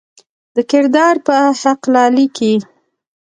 د کردار پۀ حقله ليکي: